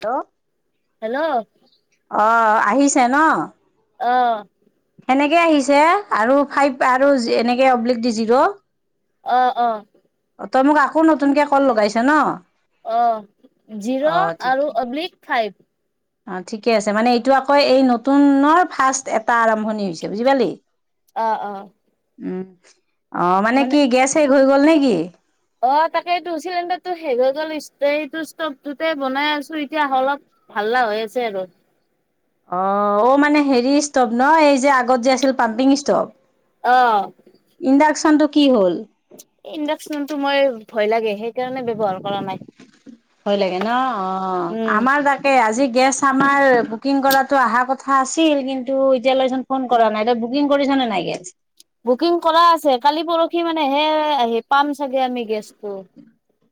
Hello hello অ আহিছে ন অ সেনেকে আহিছে আৰু ফাইভ আৰু এনেকে অব্লিক দি জিৰো অ অ তই মোক আকৌ নতুনকে কল লগাইছ ন অ জিৰো অ আৰু ঠিকে অব্লিক ফাইভ অ ঠিকে আছে মানে এইটো আকৌ এই নতুনৰ ফাৰ্ষ্ট এটা আৰম্ভণি হৈছে বুজি পালি আহ আহ উম অ মানে কি গেছ শেষ হৈ গল গল নে কি অ তাকেটো চিলিণ্ডাৰটো শেষ হৈ গ'ল ষ্টভটোতে বনাই আছো এতিয়া অলপ ভাল হৈ আছে আৰু অহ অ মানে হেৰি ষ্টভ ন এই যে আগত যে আছিল পাম্পিং ষ্টভ অ ইণ্ডাকচনটো কি হ'ল ইণ্ডাকচনটো মই ভয় লাগে সেইকাৰণে ব্যৱহাৰ কৰা নাই ভয় লাগে ন অ উম আমাৰ তাকে আজি গেছ আমাৰ বুকিং কৰাতটো আহা কথা আছিল কিন্তু এতিয়া লৈচোন ফোন কৰা নাই বুকিং কৰিছ নে নাই গেছ বুকিং কৰা আছে কালি পৰখি সি মানে হে আহি পাল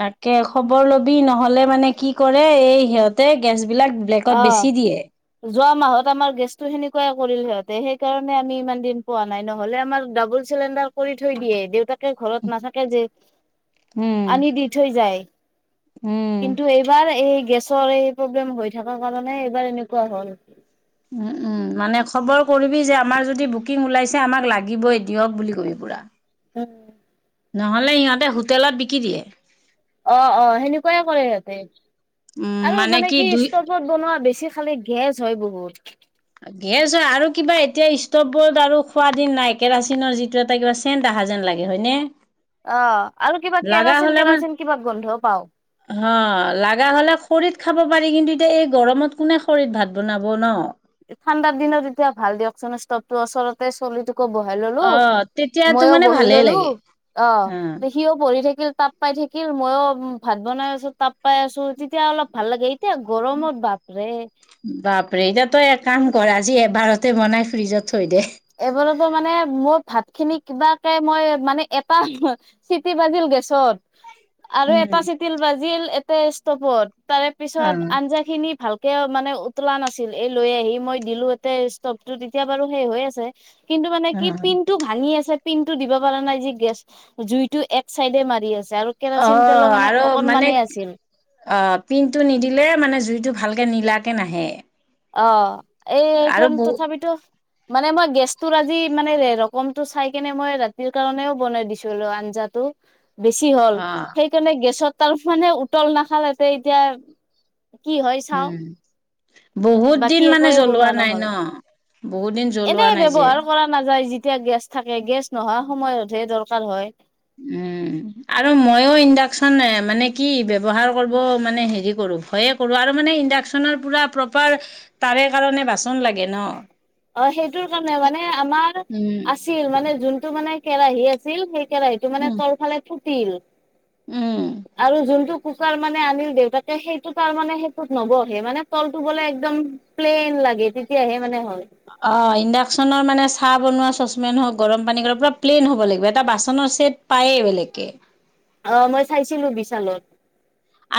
তাকে খবৰ লব সি নহলে মানে কি কৰে এই সিহঁতে গেছ অ যোৱা মাহত আমাৰ গেছটো সেনেকুৱাই কৰিল সিহঁত সেইকাৰণে আমি ইমান দিন পোৱা নাই নহলে আমাৰ ডাবুল চিলিণ্ডাৰ কৰি থৈ দিয়ে দেউতাক দেউতাকে ঘৰত নাথাকে যিহেতু উম, আনি দি থৈ যায় উম। কিন্তু এইবাৰ এই গেছৰ এই প্ৰব্লেম হৈ থাকে থাকা কাৰণে এইবাৰ এনেকুৱা হ'ল উম উম মানে খবৰ কৰিবি যে আমাৰ যদি বুকিং ওলাইছে আমাক লাগিবই দিয়ক বুলি কবি পুৰা উম নহলে ইিহঁতে হোটেলত বিকি দিয়ে অ অ সেনেকুৱাই কৰে সিহঁতে আৰু মানে কি ষ্টভত বনোৱা বেছি খালি গেছ হয় বহুত গেছ হয় আৰু কিবা এতিয়া ষ্টভবৰ্ড আৰু খোৱা দিন নাই কেৰাচিনৰ যিটো এটা কিবা চেন আহা যেন লাগে হয় নে অ আৰু কিবা কেৰাচিন মানে কেৰাচিন কিবা গোন্ধও পাও হ লাগা হ'লে খৰিত খাব পাৰি কিন্তু এতিয়া এই গৰমত কোনে খৰিত ভাত বনাব ন ঠাণ্ডাৰ দিনত এতিয়া ভাল দিয়কচোন ষ্টভ টো ওচৰতে চলি আকৌ বহাই ললো অ' তেতিয়াতো মইও মানে বহি ভালেই ললো লাগে। অ সিও পঢ়ি থাকে থিল তাপ পাই থাকিল মইো ভাত বনাই আছো তাপ পাই আছো তেতিয়া অলপ ভাল লাগে এতিয়া গৰমত বাপ ৰে বাপৰে এতিয়া তয় এক কাম কৰ আজি এবাৰতে বনাই ফ্ৰ্ৰীজত থৈ দে কিবা মানে মোৰ ভাত খিনি কিবাকে মই মানে এটা চিটি বাজিল গেছত আৰু এটা উম, চিতিল বাজিল [unintelligible] তাৰে পিছত অ' আঞ্জা খিনি ভালকে তেওঁ মানে উতলা নাছিল এই লৈ আহি মই দিলো ইতে ষ্টভটো এতিয়া বাৰু সেই হৈ আছে কিন্তু মানে কি অ' পিনন্টো ভাঙি আছে পিন টো দিব পাৰা নাই যি গেছ জুইতটো এক চাইডে মাৰি আছে আৰু অ কেৰাচিন তেলো মানে আৰু মানে অকনমানে আছিল অ পিনটো নিদিলে মানে জুইতটো ভাল ে নীলাকে নাহে অ আৰু এইকাৰণ বহু তথাপিিতো মানে মই গেছটো আজি মানে ৰকমটো চাই কেনে মই ৰাতিৰ কাৰণেও বনাই দিছিলোো আঞ্জাটো বেছি হ'ল অ' সেইকাৰণে গেছত তাৰ মানে উতল নাখালতে এতিয়া কি হয় চাও উম। বহুত বাকী দিন মানে একোৱে বনোৱা জ্বলোৱা নাই নহল ন বহুত দিন জ্বলোৱা নাই যে এতিয়া গেছ থাকে গেছ নোহোৱা সময়তহে দৰকাৰ হয় উম আৰু ময়ো ইণ্ডাকচন মানে কি ব্যৱহাৰ কৰিব মানে হেৰি কৰো ভয়ে কৰোঁ আৰু মানে ইণ্ডাকচন পুৰা প্ৰপাৰ তাৰে কাৰণে বাচন লাগে ন অ সেইটোৰ কাৰণে মানে আমাৰ উম আছিল মানে যোনটো মানে কেৰাহী আছিল সেই কেৰাহিটো মানে উম তলফালে ফুট তিল উম আৰু যোনটো কুকাৰ মানে আনিল দেউতাকে সেইটো তাৰ মানে সেইটোত নবহে মানে তলটো বোলে একদম প্লেইন লাগে তেতিয়াহে মানে হল অ ইণ্ডাকচনৰ মানে চাহ বনোৱা চচপেন হওঁক গৰম পানী কৰা পুৰা প্লেইন হ'ব লাগিব এটা বাচনৰ চছেট পায়েই বেলেগকে অ মই চাইছিলো বিশালত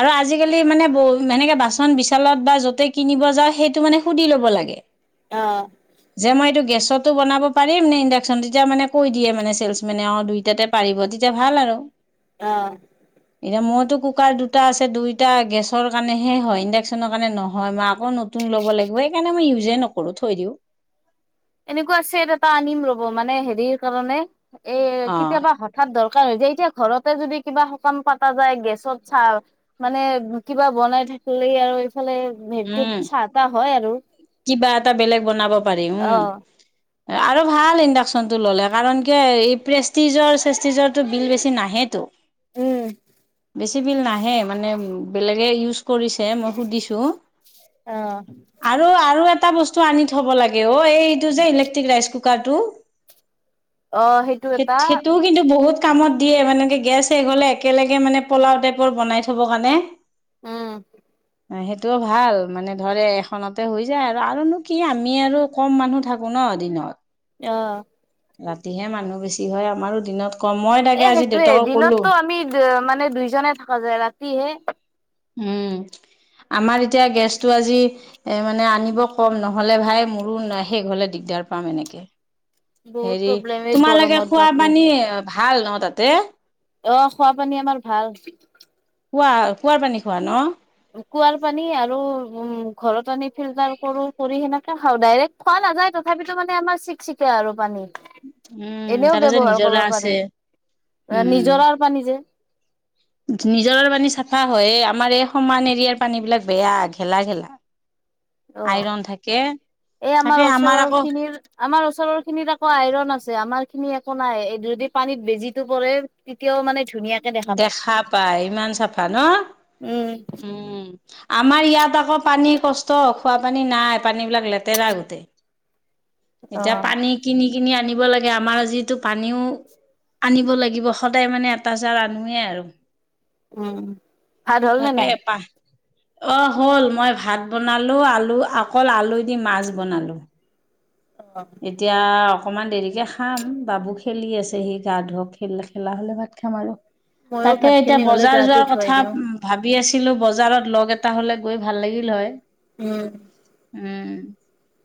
আৰু আজিকালি মানে ব সেনেকে বাচন বিচালত বা য'তে কিনিব যাওঁ সেইটো মানে সুধি ল'ব লাগে অ যে মই এইটো গেছতো বনাব পাৰিম নে ইণ্ডাকচন তেতিয়া মানে কৈ দিয়ে মানে ছেলচচ মেনে অ দুইটাতে পাৰিব তেতিয়া ভাল আৰু আহ এতিয়া মইতো কুকাৰ দুটা আছে দুইোটা গেছৰ কাৰণেহে হয় ইণ্ডাকশ্যনৰ কাৰণে নহয় মাক আক নতুন লব লাগিব সেইণ উজএ নকৰো থৈ দিওঁ এনেকুৱা ছেট এটা আনিম ৰ'ব মানে হেৰিৰ কাৰণে এ অ কেতিয়াবা হঠাৎ দৰকাৰ শকান য এতিয়া ঘৰতে যদি কিবা শকান পতা যায় গেছত চাহ মানে কিবা বনাই থাকিলে আৰু আফালে উম হেৰিটোত চাহ তাহ হয় আৰু কিবা এটা বেলেগ বনাব পাৰিম অ আৰু ভাল ইণ্ডাকচনটো ললে কাৰণ কি এই প্ৰেষ্টিজৰ চেজতীজৰটো বিল বেছি নাহেতো উম বেছি বিল নাহে মানে বেলেগে ইউজ কৰিছে মই সুধিছোঁ অ আৰু আৰু এটা ত আনি থব লাগে ও এইটো যে ইলেক্ট্ৰিক ৰাইচ কুক কাটো অ সেইটো স এটা সেইটোও কিন্তু বহুত কামত দিয়ে মানে গেছ শেষ হলে একেলগে মানে পলাও টাইপৰ বনাই থব কাৰণে আহম ন সেইটো ভাল মানে ধৰে এখনতে হৈ যায় আৰু আৰুনো কি আমি আৰু কম মানুহ থাকো ন দিনত আহ ৰাতিহে মানুহ বেছি হয় আমাৰো দিনত কম মই তাকে এ আজি সেইটোয়ে দেউতাকক কলো দিনতো আমি মান মানে দুইজনে থকা যায় ৰাতিহে উম আমাৰ এতিয়া গেছটো আজি এ মানে আনিব কম নহলে ভাই মোৰো শেষ হলে দিগদাৰ পাম এনেকে বহুত হেৰি প্ৰব্লেম এই তোমালোকে গৰমত খোৱা বাপৰে পানী ভাল ন তাতে অ খোৱ পানী আমাৰ ভাল কুৱা কুঁৱাৰ পানী খোৱা ন কুঁৱাৰ পানী আৰু উম ঘৰত আনি ফিল্টাৰ কৰো কৰি সেনেকে খা ডাইৰেক্ খোৱা নাযায় তথাপিতো মানে আমাৰ চিকচিকে আৰু পানী উম এনেও তাতে যে ব্য্ৱহাৰ নিজৰা কৰিব আছে পাৰি নিজৰ আৰু পানী যে নিজৰৰ পানী চাফা হয় আমাৰ এই সমান এৰিয়াৰ পানী বিলাক বেয়া ঘেলা ঘেলা অ আইৰন থাকে এই আমাৰ তাকে ওচৰৰ আকৌ খিনিৰ আমাৰ ওচৰৰ খিনিত আকৌ আইৰন আছে আমাৰ খিনি নাই এই যদি পানীত বেজিো পৰে তেতিয়াও মানে ধুনীয়াকে পায় দেখা পায় ইমান চাফা ন উম উম আমাৰ ইয়াত আকৌ পানী কষ্ট খোৱ পানী নাই পানী বিলাক লেতেৰা গোটেই অ এতিয়া পানী কিনি কিনি আনিব লাগে আমাৰ যিটো পানীও আনিব লাগিব সদায় মানে এটা জানোোৱে আৰু উম ভাল হ'ল নে তাকে নাই পাহ অ হল মই ভাত বনালো আলু অকল আলু দি মাছ বনালো এতিয়া অকণমান দেৰিকে খাম বাবু খেলি আছে সি গা ধক খেল খেলা হলে ভাত খাম আৰু ময়ো তাকে ভাত এতিয়া খিনি হলে বজাৰ গাটো যোৱাৰ ধুৱাই কথা দিওঁ ভাবি আছিল ছিলো বজাৰত লগ এটা হ'লে গৈ ভাল লাগিল হয় উম উম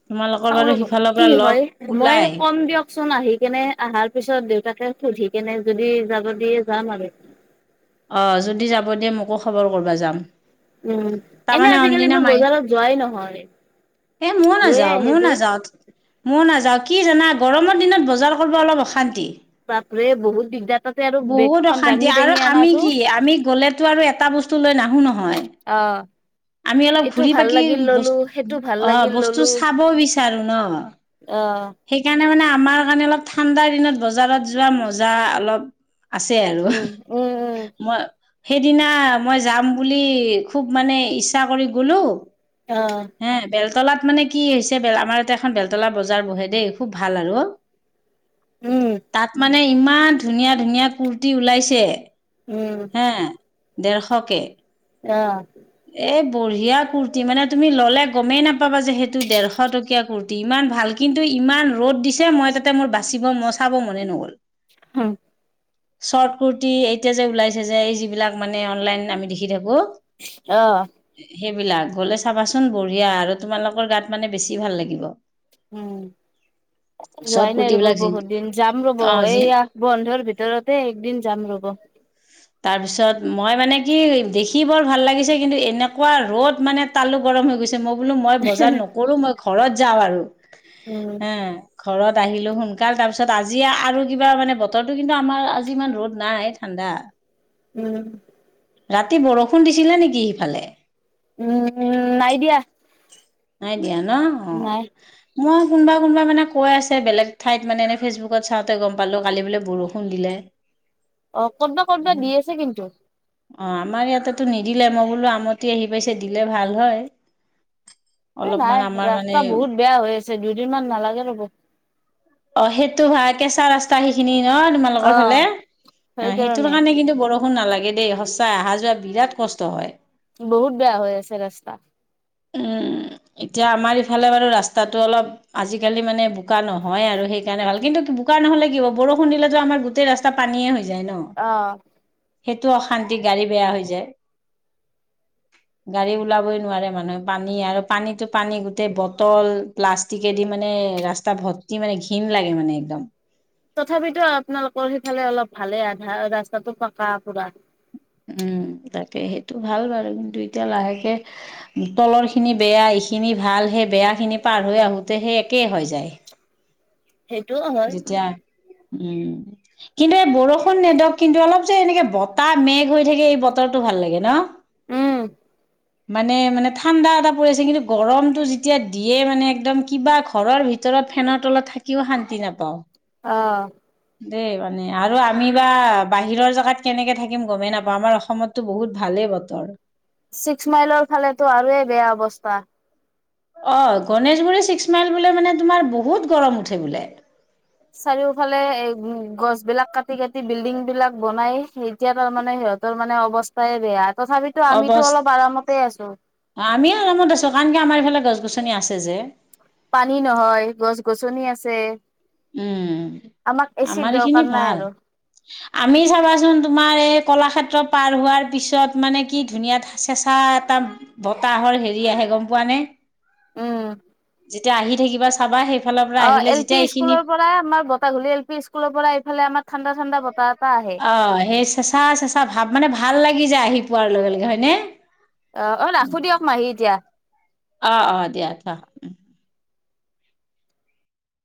তোমালোকৰ চাওঁ বাৰু ৰ'ব সিফালক কি হয় মই ক'ম দিয়কচোন আহি কেনে অাৰ পিছত দেউতাকে সুধিনে যদি যাব দিয়ে যাম আৰু অ যদি যাব দিয়া মোকো খবৰ কৰিবা যাম উম এনে তাৰমানে আজিকালি অনদিনা মই মাই বজাৰত যোৱাই নহয় এ ময়ো লৈয়ে আহে যে যা কি জানা গৰমৰ দিনত বজাৰ কৰিব অলপ অশান্তি বহুত দিগদাৰ তাতে আৰু বহুত বেগখন অশান্তি দাঙি আৰু দাঙি আমি অনাতো কি আমি গ'লেতো আৰু এটা বস্তু লৈ নাহো নহয় অ আমি অলপ এইটো ঘুৰি ভাল পাকি লাগিল ব ললো সেইটো ভাল অ লাগিল বস্তু ললো চাব বিচাৰো ন অ সেইকাৰণে মানে আমাৰ কাৰণে অলপ ঠাণ্ডাৰ দিনত বজাৰত যোৱা মজা অলপ আছে আৰু উম উম উম মই সেইদিনা মই যাম বুলি খুব মানে ইচ্ছা কৰি গলো অ হ বেল বেলতলাত মানে কি হৈছে বেল আমাৰ ইতে এখন বেলতলা বজাৰ বহে দেই খুব ভাল আৰু অ উম মানে ইমান ধুনীয়া ধুনীয়া কুৰ্তি ওলাইছে উম হে ডেৰশকে অ এ বঢ়িয়া কুৰ্তি মানে তুমি ললে গমেই নাপাবা যে সেইটো ডেৰশ টকীয়া কুুৰ্তি ইমান ভাল কিন্তু ইমান ৰ'দ দিছে মই তাতে মোৰ বাচিব মই চাব মনে নগল হ চৰ্ত কুৰ্তি এতিয়া যে ওলাইছে যে এই যিবিলাক মানে অনলাইন আমি দেখি থাকো অহ সেইবিলাক গলে চাবাচোন বঢ়িয়া আৰু তোমালোকৰ গাত মানে বেছি ভাল লাগিব উম চৰ্ট যোৱাই নাই ৰব কুৰ্তিবিলাক যি বহুত দিন যাম ৰ'ব অ যি এইয়া বন্ধৰ ভিতৰতে একদিন যাম ৰব তাৰ পিছত মই মানে কি দেখি বৰ ভাল লাগিছে কিন্তু এনেকোৱা ৰ'দ মানে তালো গৰম হৈ গৈছে মই বোলো মই বজাৰ নকৰো মই ঘৰত যাওঁ আৰু উম, হে ঘৰত আহিলো সোনকাল তাৰ পিছত আজি আৰু কিবা মানে বতৰো কিন্তু আমাৰ আজি ইমান ৰ'দ নাই ঠাণ্ডা উম ৰাতি বৰষুণ দিছিলে নেকি সিফালে উম নাই দিয়া নাই দিয়া ন অ নাই মই কোনোবা কোনোবা মানে কৈ আছে বেলেগ ঠাইত মানে এনেই ফেচবুকত চাওঁতে গম পালোঁ কালি বোলে বৰষুণ দিলে অ কতবা কতবা দি আছে কিন্তু অ আমাৰ ইয়াতেতো নিদিলে মই বোলো আমতি আহি পাইছে দিলে ভাল হয় এই অলপমান নাই আমাৰ মানে ৰাস্তা বহুত বেয়া হৈ আছে দুদিনমান নালাগে ৰ'ব অ সেইটো ভা কেঁচা ৰাস্তা সেইখিনি অ তোমালোকৰ ফালে অ' অ সেইটোৰ সেইকাৰণে কাৰণে কিন্তু বৰ ষুণ নালাগে দেই সঁচা অহা যোৱা বিৰাট কষ্ট হয় বহুত বেয়া হৈ আছে ৰাস্তা উম এতিয়া আমাৰ ইফালে বাৰু ৰাস্তাটো অলপ আজিকালি মানে বোকা নহয় আৰু সেইকাৰণে ভাল কিন্তু বোকা নহ'লে কি হ বৰষুণ দিলেতো আমাৰ গোটেই ৰাস্তা পানীয়েই হৈ যায় ন। অহ সেইটো অশান্তি গাড়ী বেয়া হৈ যায় গাড়ী ওলাবই নোৱাৰে মানুহে পানী আৰু পানীতো পানী গোটেই বটল প্লাষ্টিকেদি মানে ৰাস্তা ভৰ্তি মানে ঘিণ লাগে মানে একদম তথাপিতো আপোনালোকৰ সেইফালে অলপ ভালেই আধা ৰাস্তাটো পকা পুৰা উম তাকে সেইটো ভাল বাৰু কিন্তু এতিয়া লাহেকে তলৰ খিনি বেয়া এইখিনি ভাল সেই বেয়া খিনি পাৰ হৈ আহোতে সেই একেই হৈ যায় সেইটোও হয় যেতিয়া উম কিন্তু এই বৰষুণ নেদক কিন্তু অলপ যে এনেকে বতাহ মেঘ হৈ থাকে এই বতৰটো ভাল লাগে ন উম মানে মানে ঠাণ্ডা এটা পৰি আছে কিন্তু গৰমতটো যেতিয়া দিয়ে মানে একদম কিবা ঘৰৰ ভিতৰত ফেনৰ তলত থাকিও শান্তি তি নাপাওঁ অহ দেই মানে আৰু আমি বা বাহিৰৰ জেগাত কেনেকে থাকিম গমেই নাপাওঁ আমাৰ অসমততো বহুত ভালেই বতৰ ছিক্স মাইলৰ ফালেটো আৰুে বেয়া বস্তু বাহ অ গণেশগুৰি ছিক্স মাইল বোলে মানে তোমাৰ বহুত গৰম উঠে বোলে চাৰিওফালে এ গছ বিলাক কাটি কাটি বিল্ডিং বিলাক বনাই এতিয়া তাৰমানে সিহঁতৰ মানে অৱস্থাই বেয়া তথাপিতো আমিতো অলপ আৰামতে আছো অৱস্থ আমি আৰামত আছো কাৰণক আমাৰ এইফালে গছ গছনি আছে যে চনি আছে উম আমাক এচিৰ আমাৰ দৰকাৰ এইখিনি নাই ভাল আৰু আমি চাবাচোন তোমাৰ এই কলাক্ষেত্ৰ পাৰ হোৱাৰ পিছত মানে কি ধুনীয়া চেঁচা এটা বতাহৰ হেৰি আহে গম পোৱা নে উম যেতিয়া আহি থাকিবা চাবা সেই ফালৰ পৰা আহিলে যেতিয়া এইখিনি পৰা আম বতাগল এল পি স্কুলৰ পৰাফালে আমাৰ ঠাণ্ডা ঠাণ্ডা বতাহ এটা আহে অ সেই চেচা চেচা ভাব মানে ভাল লাগে লাগি যায় আহি পোৱাৰ লগে লগে হয়নে অ অ ৰাখো দিয়ক মাহী এতিয়া অ অ দিয়া থ